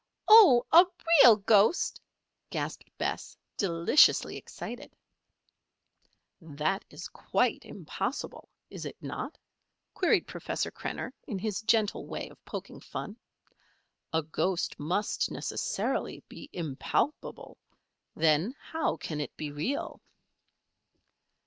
"Oh! a real ghost?" gasped Bess, deliciously excited. "That is quite impossible, is it not?" queried Professor Krenner, in his gentle way of poking fun. "A ghost must necessarily be impalpable; then, how can it be real?"